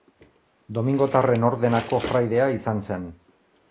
Domingotarren Ordenako fraidea izan zen.